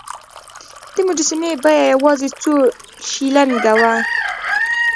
د مجسمې بیه یوازې څو شیلینګه وه.